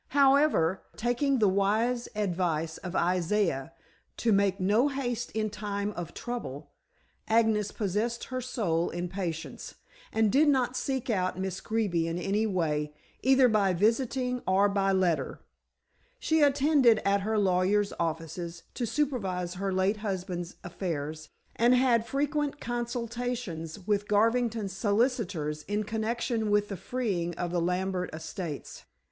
However, taking the wise advice of Isaiah to "Make no haste in time of trouble," Agnes possessed her soul in patience, and did not seek out Miss Greeby in any way, either by visiting or by letter. She attended at her lawyers' offices to supervise her late husband's affairs, and had frequent consultations with Garvington's solicitors in connection with the freeing of the Lambert estates.